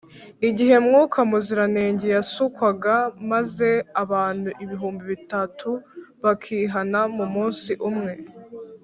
igihe mwuka muziranenge yasukwaga maze abantu ibihumbi bitatu bakihana mu munsi umwe,